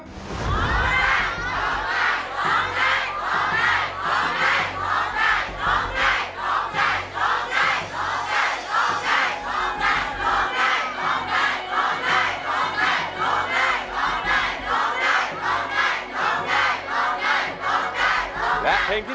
ร้องได้ร้องได้ร้องได้